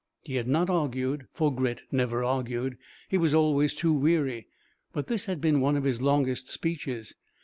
He had not argued, for Grit never argued; he was always too weary. But this had been one of his longest speeches.